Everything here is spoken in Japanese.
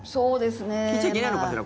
言っちゃいけないのかしら？